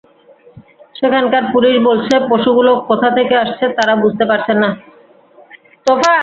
সেখানকার পুলিশ বলছে, পশুগুলো কোথা থেকে আসছে তাঁরা বুঝতে পারছেন না।